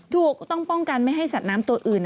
ถูกต้องป้องกันไม่ให้สัตว์น้ำตัวอื่น